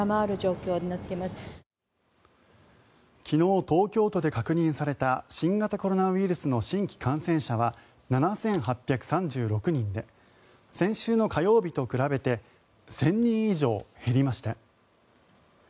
昨日、東京都で確認された新型コロナウイルスの新規感染者は７８３６人で先週の火曜日と比べて１０００人以上減りました。